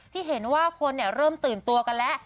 ที่เห็นว่าคนเริ่มตื่นตัวกันแล้ว